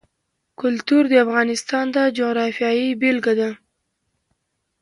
کلتور د افغانستان د جغرافیې بېلګه ده.